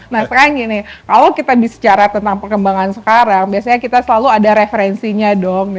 nah sekarang gini kalau kita bicara tentang perkembangan sekarang biasanya kita selalu ada referensinya dong